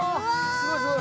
すごいすごい。